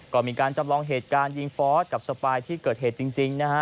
ก็มีการจำลองเหตุการณ์ยิงฟอสกับสปายที่เกิดเหตุจริงนะฮะ